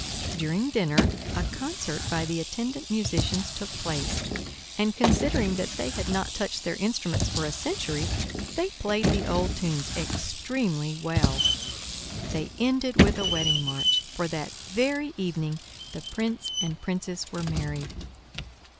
During dinner a concert by the attendant musicians took place, and, considering they had not touched their instruments for a century, they played the old tunes extremely well. They ended with a wedding march, for that very evening the Prince and Princess were married.